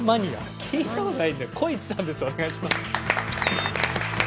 お願いします。